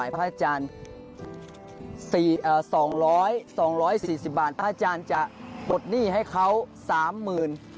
ปลดหนี้ให้เขา๓๐๐๐๐บาท